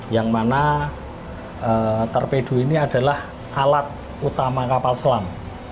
yang mana torpedo ini adalah alat utama kapal selam